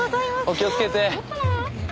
お気をつけて。